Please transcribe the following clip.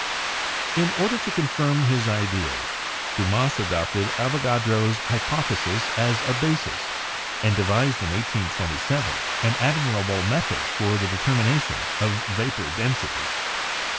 In order to confirm his ideas, Dumas adopted Avoga dro's hypothesis as a basis, and devised in 1827 an admir able method for the determination of vapor densities.